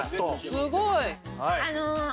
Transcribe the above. すごい！